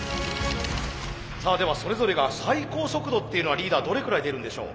ではそれぞれが最高速度っていうのはリーダーどれくらい出るんでしょう？